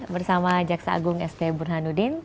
bersama jaksa agung sd burhanudin